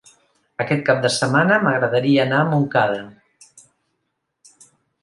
Aquest cap de setmana m'agradaria anar a Montcada.